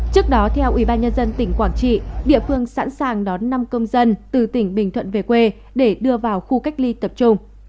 trước đó theo ủy ban nhân dân tỉnh quảng trị địa phương sẵn sàng đón năm công dân từ tỉnh bình thuận về quê để đưa vào khu cách ly tập trung